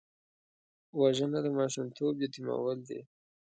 وژنه د ماشومتوب یتیمول دي